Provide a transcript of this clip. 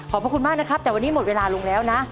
พระคุณมากนะครับแต่วันนี้หมดเวลาลงแล้วนะ